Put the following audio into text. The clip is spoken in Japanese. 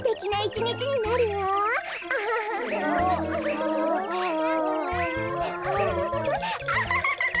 アハハハハ！